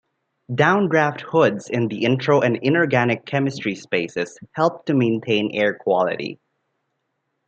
Downdraft hoods in the intro and inorganic chemistry spaces help to maintain air quality.